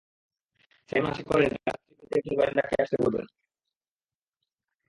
Simon আশা করেনি তার স্ত্রী পার্টিতে একজন গোয়েন্দাকে আসতে বলবেন।